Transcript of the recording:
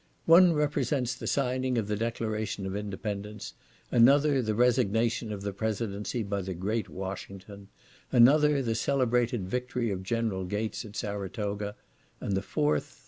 One represents the signing of the declaration of independence; another the resignation of the presidency by the great Washington; another the celebrated victory of General Gates at Saratoga; and the fourth….